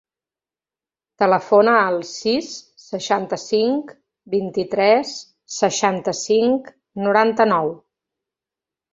Telefona al sis, seixanta-cinc, vint-i-tres, seixanta-cinc, noranta-nou.